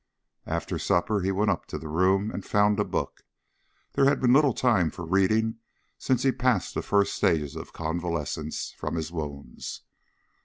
After supper he went up to the room and found a book. There had been little time for reading since he passed the first stages of convalescence from his wounds.